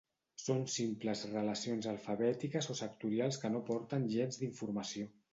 Són simples relacions alfabètiques o sectorials que no aporten gens d'informació